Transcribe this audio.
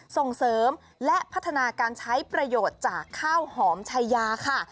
ส่งเสริมและพัฒนาการใช้ประโยชน์จากข้าวหอมชายาค่ะ